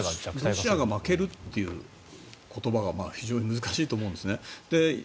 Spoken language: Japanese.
ロシアが負けるという言葉が非常に難しいと思うんですね。